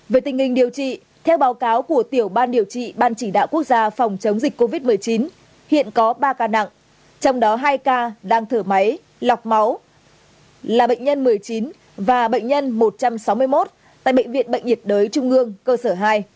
về tình hình điều trị theo báo cáo của tiểu ban điều trị ban chỉ đạo quốc gia phòng chống dịch covid một mươi chín hiện có ba ca nặng trong đó hai ca đang thở máy lọc máu là bệnh nhân một mươi chín và bệnh nhân một trăm sáu mươi một tại bệnh viện bệnh nhiệt đới trung ương cơ sở hai